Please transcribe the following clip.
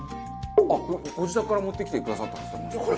ご自宅から持ってきてくださったんですか？